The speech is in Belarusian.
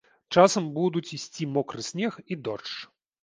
Часам будуць ісці мокры снег і дождж.